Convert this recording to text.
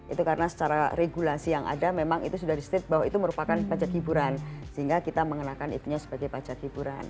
itu karena secara regulasi yang ada memang itu sudah di state bahwa itu merupakan pajak hiburan sehingga kita mengenakan itunya sebagai pajak hiburan